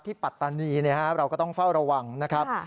ปัตตานีเราก็ต้องเฝ้าระวังนะครับ